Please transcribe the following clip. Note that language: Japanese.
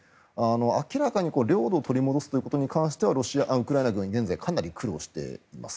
明らかに領土を取り戻すということに関してはウクライナ軍はかなり苦労しています。